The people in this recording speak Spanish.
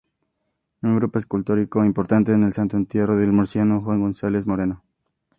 Un grupo escultórico importante es el "Santo Entierro", del murciano Juan González Moreno.